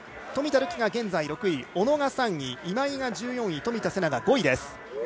冨田るき、現在６位小野が３位、今井が１４位冨田せなが５位です。